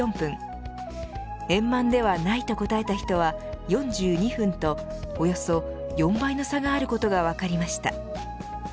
円満ではないと答えた人は４２分とおよそ４倍の差があることが分かりました。